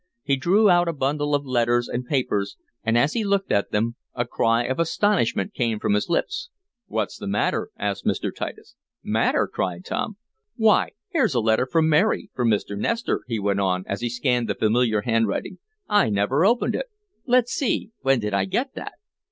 He drew out a bundle of letters and papers, and, as he looked at them, a cry of astonishment came from his lips. "What's the matter?" asked Mr. Titus. "Matter!" cried Tom. "Why here's a letter from Mary from Mr. Nestor," he went on, as he scanned the familiar handwriting. "I never opened it! Let's see when did I get that?"